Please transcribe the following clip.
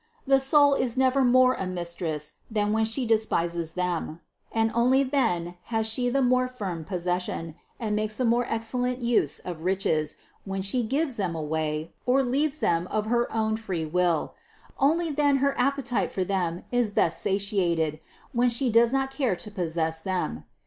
The soul is never more a mistress than when she despises them, and only then has she the more firm possession and makes the more excellent use of riches, when she gives them away or leaves them of her own free will ; only then her appetite for them is best satiated, when she does not care to possess them.